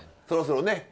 そうですね。